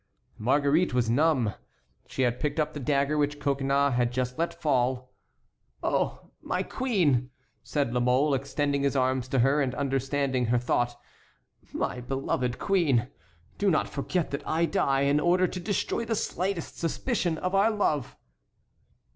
Marguerite was numb. She had picked up the dagger which Coconnas had just let fall. "Oh, my queen," said La Mole, extending his arms to her, and understanding her thought, "my beloved queen, do not forget that I die in order to destroy the slightest suspicion of our love!"